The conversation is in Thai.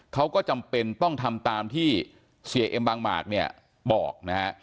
เขาก็จำเป็นต้องทำตามที่เสียเอ็มบางหมากเนี่ยบอกนะฮะ